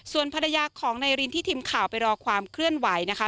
ส่วนภรรยาของนายรินที่ทีมข่าวไปรอความเคลื่อนไหวนะคะ